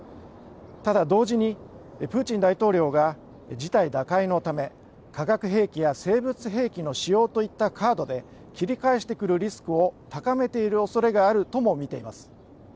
ただ同時に、プーチン大統領が事態打開のため化学兵器や生物兵器の使用といったカードで切り返してくるリスクを高めているおそれがあるともみています。